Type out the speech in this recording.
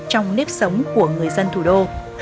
trong nếp sống của người dân thủ đô